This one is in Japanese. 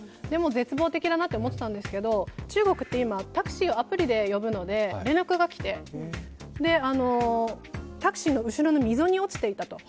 絶望的だなと思っていたんですけど、中国って今、タクシーをアプリで呼ぶので、連絡が来て、タクシーの後ろの溝に落ちていたと。